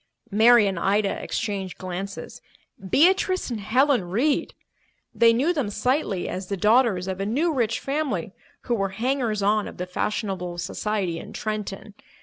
Mary and Ida exchanged glances. Beatrice and Helen Reed! They knew them slightly as the daughters of a new rich family who were hangers on of the fashionable society in Trenton.